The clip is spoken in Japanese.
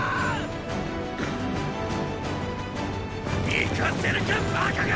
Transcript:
行かせるかバカが！